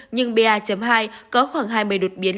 nhưng pa hai có khoảng hai mươi đột biến